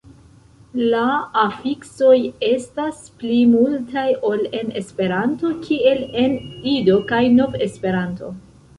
La afiksoj estas pli multaj ol en Esperanto, kiel en Ido kaj Nov-Esperanto.